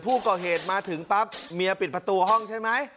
ผู้ก่อเหตุมาถึงปั๊บเมียปิดประตูห้องใช่ไหม